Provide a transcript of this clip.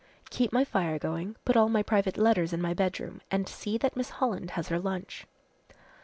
"Keep my fire going, put all my private letters in my bedroom, and see that Miss Holland has her lunch."